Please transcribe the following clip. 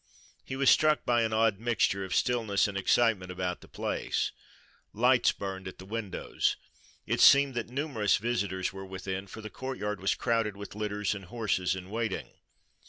He was struck by an odd mixture of stillness and excitement about the place. Lights burned at the windows. It seemed that numerous visitors were within, for the courtyard was crowded with litters and horses in waiting.